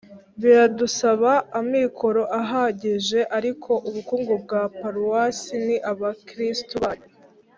biradusaba amikoro ahagije ariko ubukungu bwa paruwasi ni abakirisitu bayo